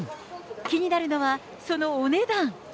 気になるのは、そのお値段。